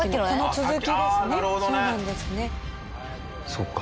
そっか。